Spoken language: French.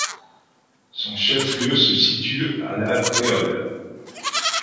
Son chef-lieu se situe à La Bréole.